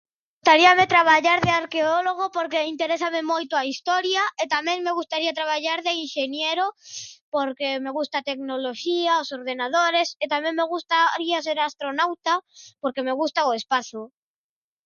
Gustaríame traballar de arqueólogo porque interésame moito a historia e tamén me gustaría traballar de inxeniero porque me gusta a tecnoloxía, os ordenadores, e tamén me gustaría ser astronauta porque me gusta o espazo.